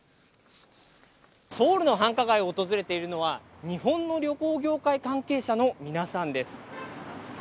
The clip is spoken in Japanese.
ソウルの繁華街を訪れているのは、日本の旅行業界関係者の皆さんです。